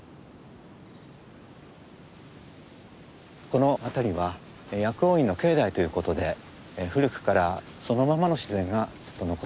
この辺りは薬王院の境内ということで古くからそのままの自然がずっと残されているんですね。